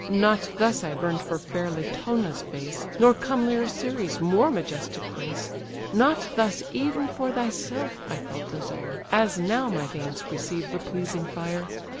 Not thus I burn'd for fair Latona's face, Nor comelier Ceres' more majestic grace. Not thus even for thyself I felt desire, As now my veins receive the pleasing fire."